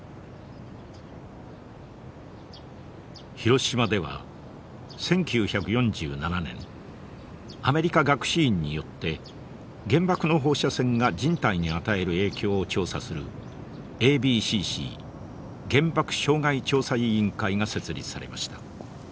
広島では１９４７年アメリカ学士院によって原爆の放射線が人体に与える影響を調査するＡＢＣＣ原爆傷害調査委員会が設立されました。